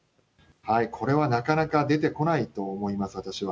これはなかなか出てこないと思います、私は。